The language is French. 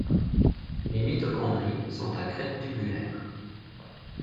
Les mitochondries sont à crête tubulaire.